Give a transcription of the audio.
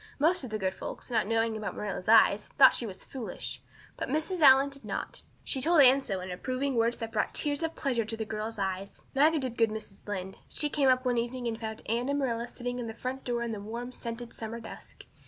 Most of the good folks, not knowing about Marilla's eyes, thought she was foolish. Mrs. Allan did not. She told Anne so in approving words that brought tears of pleasure to the girl's eyes. Neither did good Mrs. Lynde. She came up one evening and found Anne and Marilla sitting at the front door in the warm, scented summer dusk.